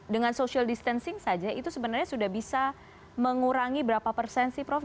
dengan social distancing saja itu sebenarnya sudah bisa mengurangi berapa persen sih prof